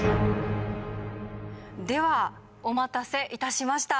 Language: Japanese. ではお待たせいたしました。